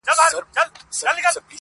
نن دي د دښتونو پر لمنه رمې ولیدې٫